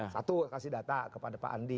satu kasih data kepada pak andi